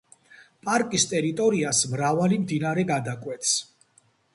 პარკის ტერიტორიას მრავალი მდინარე გადაკვეთს.